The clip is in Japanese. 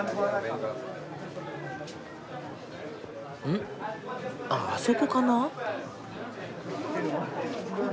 ん？あそこかな？